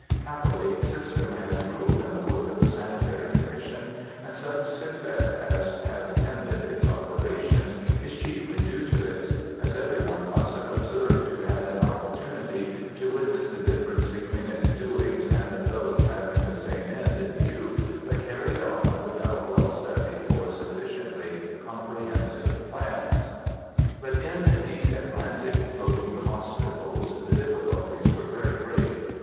Happily system has ruled in the work of the Sanitary Commission, and such success as has attended its operations is chiefly due to this, as every one must have observed who had an opportunity to witness the difference between its doings and those having the same end in view, but carried on without well studied or sufficiently comprehensive plans. But in these Atlantic Floating Hospitals the difficulties were very great.